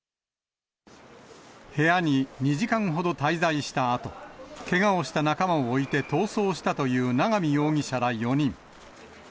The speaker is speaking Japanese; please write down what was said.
部屋に２時間ほど滞在したあと、けがをした仲間を置いて逃走したという永見容疑者ら４人。